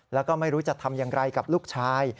แล้วก็ไม่รู้จะทำอย่างไรกับลูกชาย